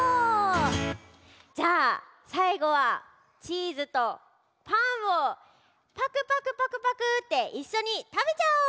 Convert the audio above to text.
じゃあさいごはチーズとパンをパクパクパクパクっていっしょにたべちゃおう！